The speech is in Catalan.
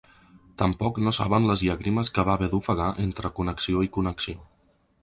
Tampoc no saben les llàgrimes que va haver d’ofegar entre connexió i connexió.